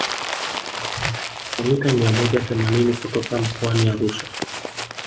kilomita mia moja themanini kutoka mkoani Arusha